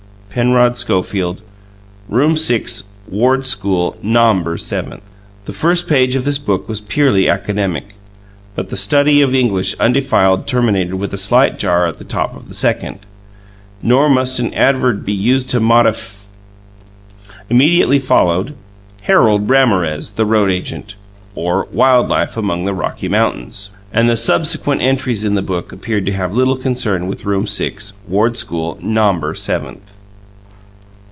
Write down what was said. Penrod Schofield. Room 6, Ward School Nomber Seventh." The first page of this book was purely academic; but the study of English undefiled terminated with a slight jar at the top of the second: "Nor must an adverb be used to modif " Immediately followed: "HARoLD RAMoREZ THE RoADAGENT OR WiLD LiFE AMoNG THE ROCKY MTS." And the subsequent entries in the book appeared to have little concern with Room 6, Ward School Nomber Seventh.